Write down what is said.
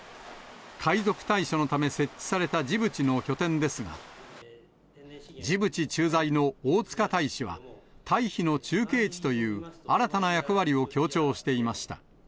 海賊対処のため設置されたジブチの拠点ですが、ジブチ駐在の大塚大使は、退避の中継地という新たな役割を強調していました。